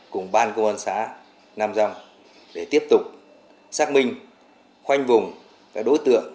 cùng ban công an xã nam răng để tiếp tục xác minh khoanh vùng đối tượng